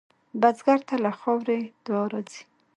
بزګر ته له خاورې دعا راځي